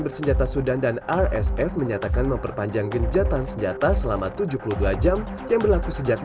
bersenjata sudan dan rsf menyatakan memperpanjang genjatan senjata selama tujuh puluh dua jam yang berlaku sejak